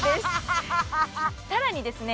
さらにですね